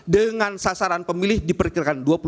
dengan sasaran pemilih diperkirakan